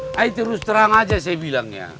saya terus terang aja saya bilangnya